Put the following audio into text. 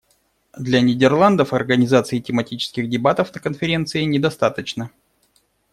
Для Нидерландов организации тематических дебатов на Конференции не достаточно.